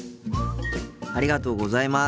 ありがとうございます。